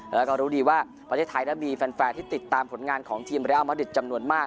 แล้วก็รู้ดีว่าประเทศไทยนั้นมีแฟนที่ติดตามผลงานของทีมเรียลมาดิตจำนวนมาก